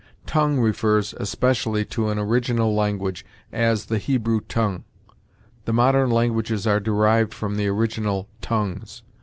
Tongue refers especially to an original language; as, 'the Hebrew tongue.' The modern languages are derived from the original tongues."